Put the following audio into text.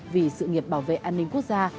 vì sự nghiệp bảo vệ an ninh quốc gia